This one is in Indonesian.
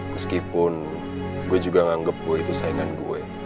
meskipun gue juga nganggep gue itu saingan gue